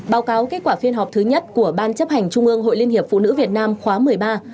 báo cáo kết quả phiên họp thứ nhất của ban chấp hành trung ương hội liên hiệp phụ nữ việt nam khóa một mươi ba